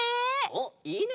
おっいいね！